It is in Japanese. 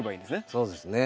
そうですね。